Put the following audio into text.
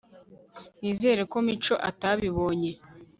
nizere ko mico atabibonye